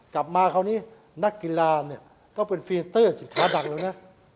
คราวนี้นักกีฬาเนี่ยก็เป็นฟีเตอร์สินค้าดักแล้วนะ